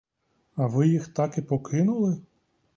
А ви їх так і покинули?